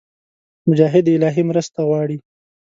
مجاهد د الهي مرسته غواړي.